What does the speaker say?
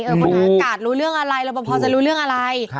เอ๊ะคนของอากาศรู้เรื่องอะไรรปจะรู้เรื่องอะไร